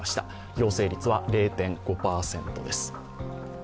陽性率は０．５％です。